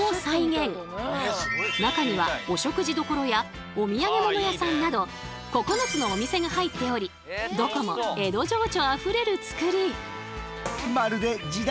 中にはお食事どころやお土産物屋さんなど９つのお店が入っておりどこも江戸情緒あふれるつくり。